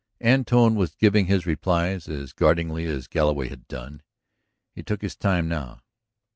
Antone was giving his replies as guardedly as Galloway had done. He took his time now.